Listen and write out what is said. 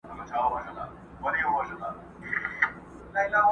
تبر ځکه زما سینې ته را رسیږي!.